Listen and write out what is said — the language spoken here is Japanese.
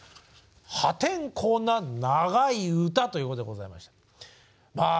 「破天荒な長い歌」ということでございましてまあ